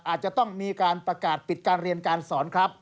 อาจจะต้องมีการประกาศปิดการเรียนการสอนครับ